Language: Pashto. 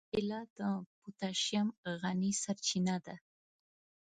کېله د پوتاشیم غني سرچینه ده.